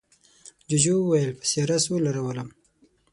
جوجو وویل په سیاره سوله راولم.